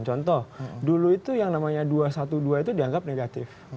contoh dulu itu yang namanya dua ratus dua belas itu dianggap negatif